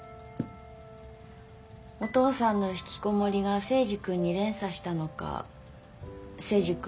お父さんのひきこもりが征二君に連鎖したのか征二君